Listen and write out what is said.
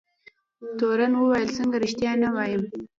تورن وویل څنګه رښتیا نه وایم.